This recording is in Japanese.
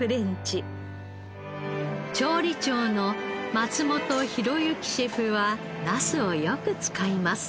調理長の松本浩之シェフはナスをよく使います。